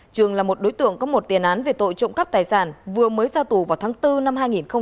trường là một đối tượng có một tiền án về tội trộm cắp tài sản vừa mới ra tù vào tháng bốn năm hai nghìn hai mươi